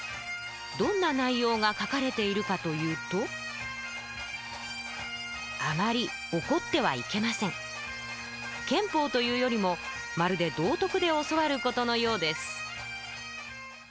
どんな内容が書かれているかというと憲法というよりもまるで道徳で教わることのようです